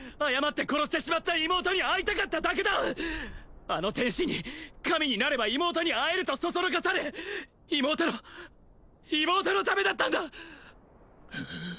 誤って殺してしまった妹に会いたかっただけだあの天使に神になれば妹に会えるとそそのかされ妹の妹のためだったんだ！